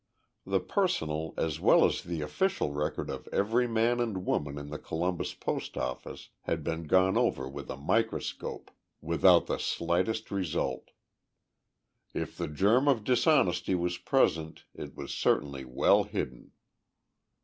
The personal as well as the official record of every man and woman in the Columbus post office had been gone over with a microscope, without the slightest result. If the germ of dishonesty was present, it was certainly well hidden.